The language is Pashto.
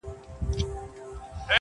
میاشتي کلونه زمانه به ستا وي!.